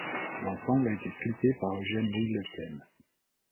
L'ensemble a été sculpté par Eugène-Louis Lequesne.